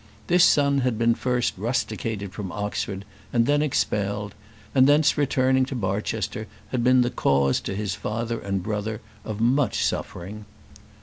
This son had been first rusticated from Oxford, and then expelled; and thence returning to Barchester, had been the cause to his father and brother of much suffering.